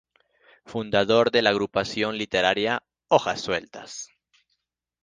Fundador de la agrupación literaria "Hojas Sueltas".